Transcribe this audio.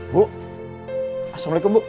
bu assalamualaikum bu